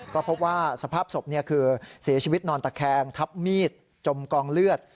ก็พบว่าสภาพศพคือเสียชีวิตนอนตะแคงทับมีดจมกองเลือด